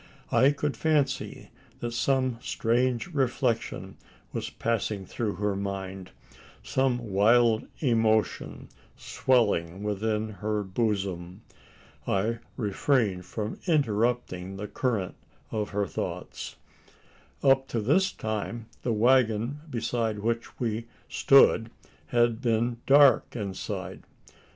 I could fancy that some strange reflection was passing through her mind some wild emotion swelling within her bosom. I refrained from interrupting the current of her thoughts. Up to this time, the waggon beside which we stood had been dark inside.